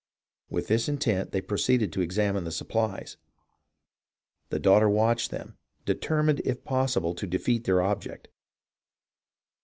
With this intent they proceeded to examine the supplies. The daughter watched them, determined, if possible, to defeat their object.